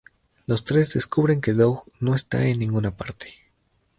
Los tres descubren que Doug no está en ninguna parte.